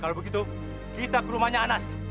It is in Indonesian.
kalau begitu kita ke rumahnya anas